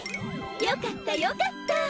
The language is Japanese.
よかったよかった！